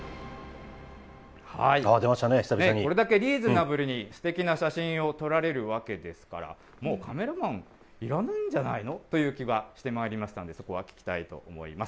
これだけリーズナブルにすてきな写真を撮られるわけですから、もうカメラマンいらないんじゃないのという気がしてまいりますが、そこは聞きたいと思います。